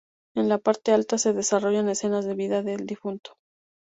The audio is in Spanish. En la parte alta se desarrollan escenas de la vida del difunto.